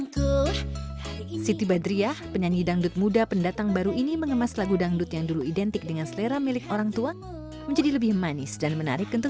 kini dangdut berubah dalam banyak aliran yang lebih menggait kalangan milenial